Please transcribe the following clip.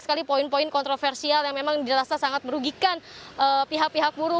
sekali poin poin kontroversial yang memang dirasa sangat merugikan pihak pihak buruh